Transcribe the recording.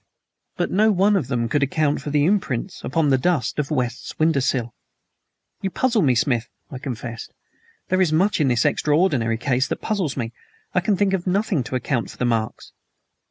But no one of them could account for the imprints upon the dust of West's window sill. "You puzzle me, Smith," I confessed. "There is much in this extraordinary case that puzzles me. I can think of nothing to account for the marks."